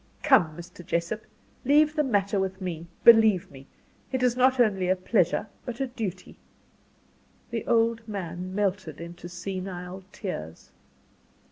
"Come, Mr. Jessop, leave the matter with me; believe me, it is not only a pleasure, but a duty." The old man melted into senile tears.